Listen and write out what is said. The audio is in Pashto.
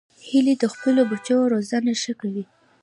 هیلۍ د خپلو بچو روزنه ښه کوي